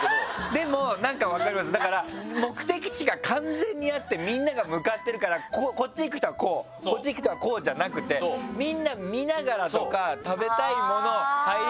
でもなんか分かりますだから目的地が完全にあってみんなが向かってるからこっち行く人はこうこっち行く人はこうじゃなくてみんな。